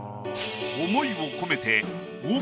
思いを込めて。